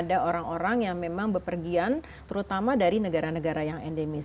ada orang orang yang memang bepergian terutama dari negara negara yang endemis